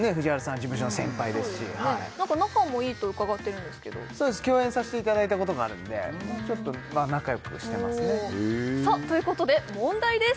事務所の先輩ですしなんか仲もいいと伺ってるんですけどそうです共演させていただいたことがあるんでちょっと仲良くしてますねさあということで問題です